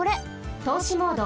とうしモード。